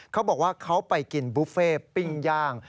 เขาบอกว่าเขาไปกินบุฟเฟ่ปิ้งย่าง